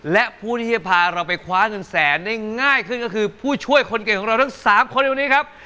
และผู้ที่จะพาเราไปคว้าเงินแสนได้ง่ายขึ้นก็คือผู้ช่วยคนเก่งของเราทั้ง๓คนในวันนี้ครับ